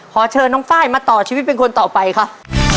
ขอเชิญน้องไฟล์มาต่อชีวิตเป็นคนต่อไปครับ